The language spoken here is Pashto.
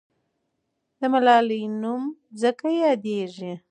د ملالۍ نوم ځکه یاديږي.